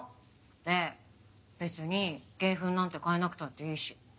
で別に芸風なんて変えなくたっていいし。